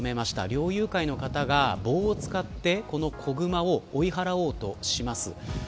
猟友会の方が棒を使ってこの子グマを追い払おうとします。